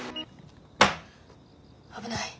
危ない。